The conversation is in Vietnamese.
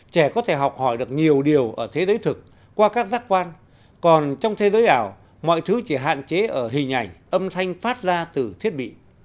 trẻ có thể học hỏi được nhiều điều ở thế giới thực qua các giác quan còn trong thế giới ảo mọi thứ chỉ hạn chế ở hình ảnh âm thanh phát ra từ thiết bị